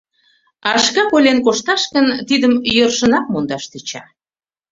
А шкак ойлен кошташ гын, тидым йӧршынак мондаш тӧча.